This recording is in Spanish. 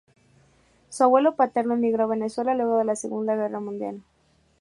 Su abuelo paterno emigró a Venezuela luego de la Segunda Guerra Mundial.